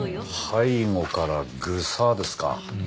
背後からグサッですか。